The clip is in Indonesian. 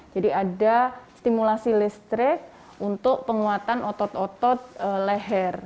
jadi ada stimulasi listrik untuk penguatan otot otot leher